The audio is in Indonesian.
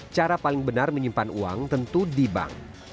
cara paling benar menyimpan uang tentu di bank